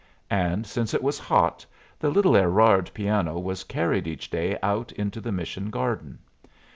And since it was hot, the little Erard piano was carried each day out into the mission garden.